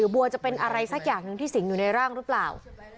บัวจะเป็นอะไรสักอย่างหนึ่งที่สิงอยู่ในร่างหรือเปล่า